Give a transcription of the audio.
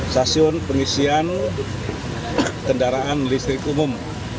stasiun pengisian kendaraan listrik umum